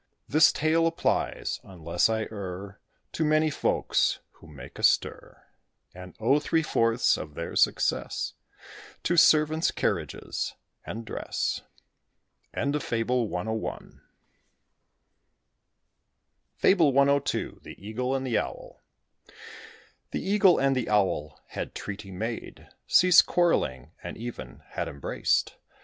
This tale applies, unless I err, To many folks who make a stir; And owe three fourths of their success To servants, carriages, and dress. FABLE CII. THE EAGLE AND THE OWL. The Eagle and the Owl had treaty made Ceased quarrelling, and even had embraced.